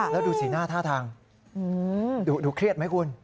แล้วดูสีหน้าท่าทางดูเครียดไหมคุณ